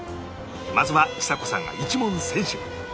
まずはちさ子さんが１問先取